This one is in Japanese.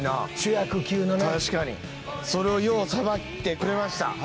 それをようさばいてくれました。